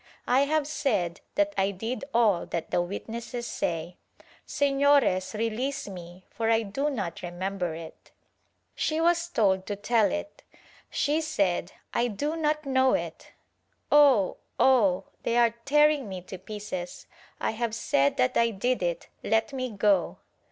I have said that I did all that the witnesses say. Sefiores release me, for I do not remember it." She was told to tell it. She said "I do not know it. Oh! Oh! they are tearing me to pieces — I have said that I did it — let me go."